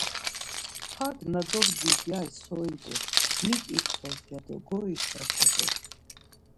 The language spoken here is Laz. Hak na dobdvi gyari so idu, mik ipxors ya do goişaşet̆u.